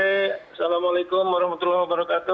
assalamualaikum warahmatullahi wabarakatuh